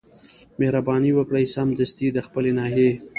مهرباني وکړئ سمدستي د خپلي ناحيې